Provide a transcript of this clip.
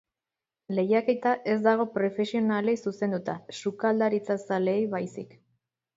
Lehiaketa ez dago profesionalei zuzenduta, sukaldaritza-zaleei baizik.